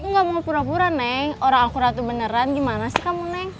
aku gak mau pura pura neng orang aku ratu beneran gimana sih kamu neng